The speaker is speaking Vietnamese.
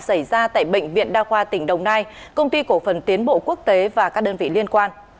xảy ra tại bệnh viện đa khoa tỉnh đồng nai công ty cổ phần tiến bộ quốc tế và các đơn vị liên quan